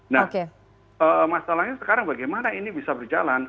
nah masalahnya sekarang bagaimana ini bisa berjalan